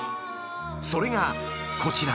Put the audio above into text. ［それがこちら］